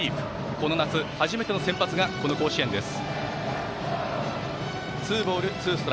この夏、初めての先発がこの甲子園です。